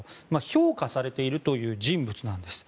評価されているという人物なんです。